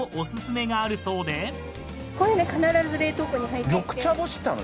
これ必ず冷凍庫に入っていて。